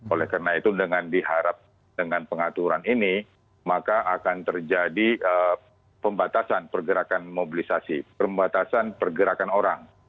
oleh karena itu dengan diharap dengan pengaturan ini maka akan terjadi pembatasan pergerakan mobilisasi pembatasan pergerakan orang